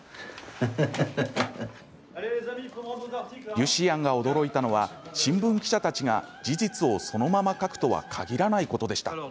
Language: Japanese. リュシアンが驚いたのは新聞記者たちが事実をそのまま書くとは限らないことでした。